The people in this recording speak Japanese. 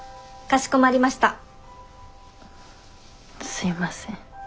すいません。